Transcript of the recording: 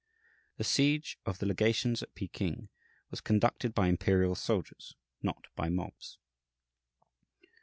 The siege of the legations at Peking was conducted by imperial soldiers, not by mobs.